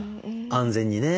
安全にね。